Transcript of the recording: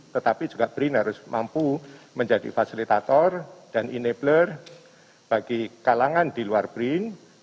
tetapi juga brin harus mampu menjadi fasilitator dan enabler bagi kalangan di luar brin